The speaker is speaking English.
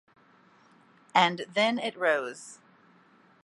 And then it rose.